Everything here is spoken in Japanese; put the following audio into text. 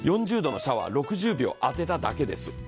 ４０度のシャワー６０秒当てただけです。